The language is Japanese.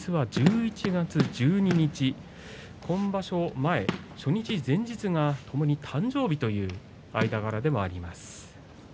１１月１２日、本場所前初日前日がともに誕生日という間柄でもありました。